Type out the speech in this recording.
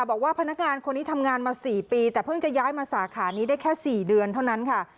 บอกว่าพนักงานคนนี้ทำงานมา๔ปีแต่เพิ่งจะย้ายมาสาขานี้ได้แค่๔เดือนเท่านั้นค่ะ